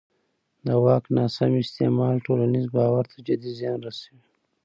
د واک ناسم استعمال ټولنیز باور ته جدي زیان رسوي